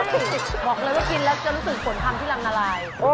บอกเลยว่ากินแล้วจะรู้สึกฝนทำที่รังนาราย